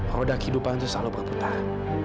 roda kehidupan itu selalu berputar